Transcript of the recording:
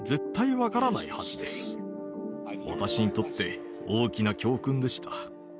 私にとって大きな教訓でした。